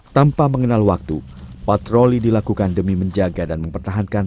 tanpa mengenal waktu patroli dilakukan demi menjaga dan mempertahankan